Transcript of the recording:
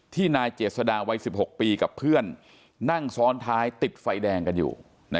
นายเจษฎาวัย๑๖ปีกับเพื่อนนั่งซ้อนท้ายติดไฟแดงกันอยู่